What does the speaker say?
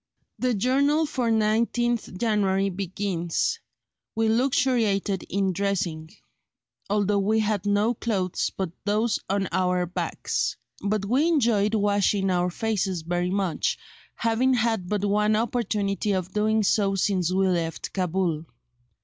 The journal for 19th January begins: "We luxuriated in dressing, although we had no clothes but those on our backs; but we enjoyed washing our faces very much, having had but one opportunity of doing so since we left Cabul.